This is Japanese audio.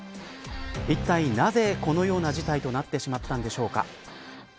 いったいなぜこのような事態となってしまったんでしょうか。